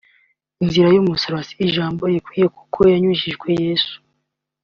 (inzira y’umusaraba) si ijambo rikwiye kuko yanyujijwe Yezu